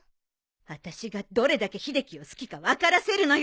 あたしがどれだけ秀樹を好きか分からせるのよ。